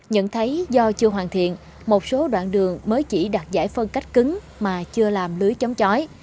nhận thấy do chưa hoàn thiện một số đoạn đường mới chỉ đạt giải phân cách cứng mà chưa làm lưới chống chói